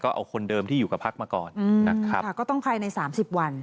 เอาคนเดิมที่อยู่กับพักมาก่อนนะครับค่ะก็ต้องภายใน๓๐วัน